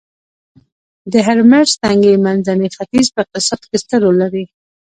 د هرمرز تنګی منځني ختیځ په اقتصاد کې ستر رول لري